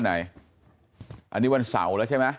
ในวันไหนวันเสาร์ใช่มั้ย